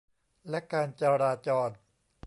และการจราจร